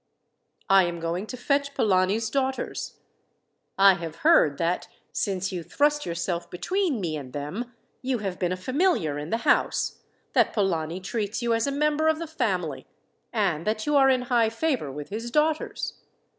I am going to fetch Polani's daughters. I have heard that, since you thrust yourself between me and them, you have been a familiar in the house, that Polani treats you as a member of the family, and that you are in high favour with his daughters.